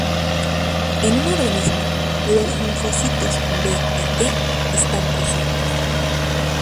En un organismo, los linfocitos B y T están presentes.